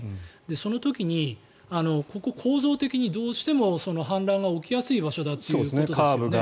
その時にここ、構造的にどうしても氾濫が起きやすい場所だということですね。